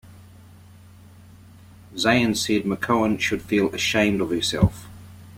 Zayn said McMahon should feel ashamed of herself.